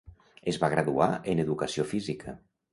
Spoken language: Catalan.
Es va graduar en educació física.